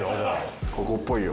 ここっぽいよ。